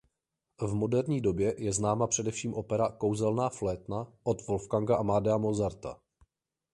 V moderní době je známa především opera "Kouzelná flétna" od Wolfganga Amadea Mozarta.